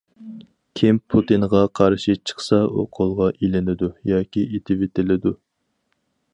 كىم پۇتىنغا قارشى چىقسا شۇ قولغا ئېلىنىدۇ ياكى ئېتىۋېتىلىدۇ.